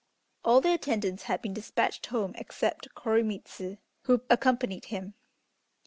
All the attendants had been despatched home except Koremitz, who accompanied him.